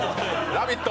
「ラヴィット！」